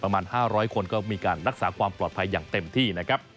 ประมาณ๕๐๐คนก็มีการรักษาความปลอดภัยอย่างเต็มที่นะครับ